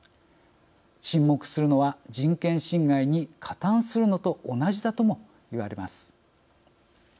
沈黙するのは人権侵害に加担するのと同じだともいわれます。